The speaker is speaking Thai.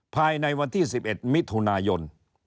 ภายในวันที่๑๑มิถุนายน